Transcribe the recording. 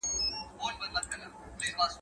د ښارونو ترمنځ اړيکې يې پياوړې کړې.